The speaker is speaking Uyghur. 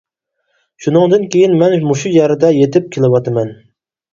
شۇنىڭدىن كېيىن مەن مۇشۇ يەردە يېتىپ كېلىۋاتىمەن.